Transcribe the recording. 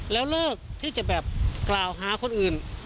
แล้วเลิกที่จะแบบกล่าวหาคนอื่น